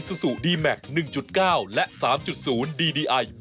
สวัสดีค่า